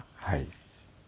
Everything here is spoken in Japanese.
はい。